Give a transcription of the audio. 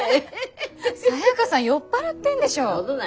サヤカさん酔っ払ってんでしょ！